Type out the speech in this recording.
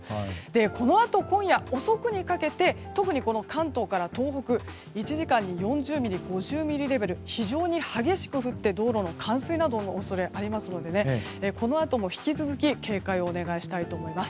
このあと今夜遅くにかけて関東から東北１時間に４０ミリ、５０ミリレベル非常に激しく降って道路の冠水などの恐れがありますのでこのあとも引き続き警戒をお願いしたいと思います。